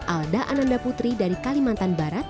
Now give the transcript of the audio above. alda ananda putri dari kalimantan barat